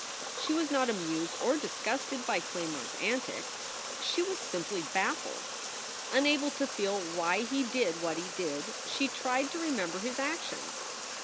She was not amused or disgusted by Claymore s antics. She was simply baffled. Unable to feel why he did what he did, she tried to remember his actions.